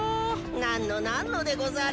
なんのなんのでござる。